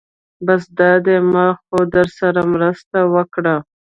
بس دا دی ما خو درسره مرسته وکړه.